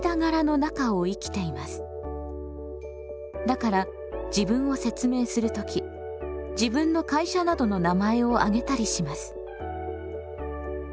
だから自分を説明する時自分の会社などの名前を挙げたりします。